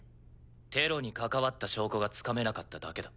テロに関わった証拠がつかめなかっただけだ。